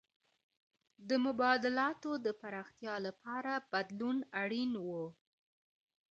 د مبادلاتو د پراختیا لپاره بدلون اړین و.